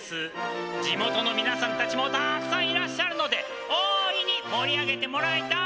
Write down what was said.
地元のみなさんたちもたっくさんいらっしゃるので大いに盛り上げてもらいたい。